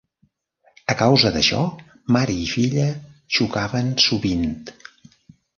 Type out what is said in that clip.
A causa d'això, mare i filla xocaven sovint.